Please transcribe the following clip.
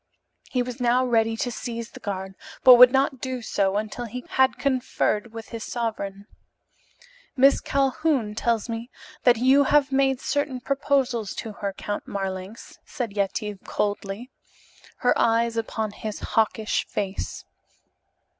He was now ready to seize the guard, but would not do so until he had conferred with his sovereign. "Miss Calhoun tells me that you have made certain proposals to her, Count Marlanx," said Yetive coldly, her eyes upon his hawkish face.